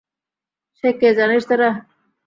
সে কে জানিস তোরা?